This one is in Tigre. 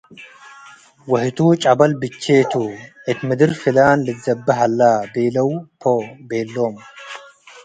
ወህቱ፤ “ጨበል ቤቼ' ቱ፡ እት ምድር ፍላን 'ልትዘቤ' ሀለ'፣" ቤለው”ፖ ቤሎ'ም።